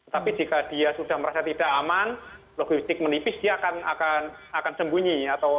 tapi jika dia sudah merasa tidak aman logistik menipis dia akan sembunyi